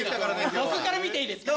僕から見ていいですか。